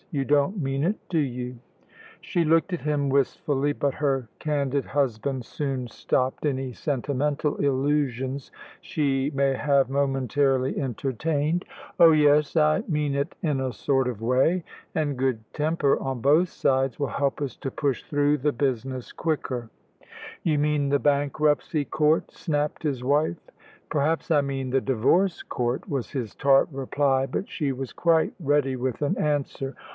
You don't mean it, do you?" She looked at him wistfully, but her candid husband soon stopped any sentimental illusions she may have momentarily entertained. "Oh yes, I mean it in a sort of way. An' good temper on both sides will help us to push through the business quicker." "You mean the Bankruptcy Court," snapped his wife. "Perhaps I mean the Divorce Court," was his tart reply, but she was quite ready with an answer.